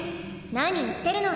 何言ってるの。